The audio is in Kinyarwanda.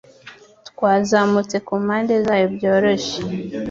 Twazamutse ku mpande zayo byoroshye